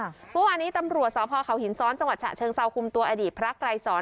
เมื่อวานนี้ตำรวจสพเขาหินซ้อนจังหวัดฉะเชิงเซาคุมตัวอดีตพระไกรสอน